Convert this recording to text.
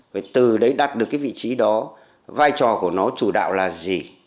phải từ đấy đặt được cái vị trí đó vai trò của nó chủ đạo là gì